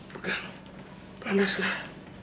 bukan panas lah